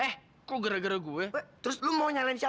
eh kok gara gara gue